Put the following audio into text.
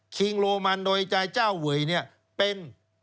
คิงโรมันโดยใจเจ้าเวยเนี่ยเป็น